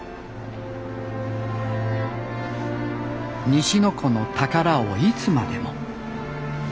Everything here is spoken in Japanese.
西の湖の宝をいつまでも。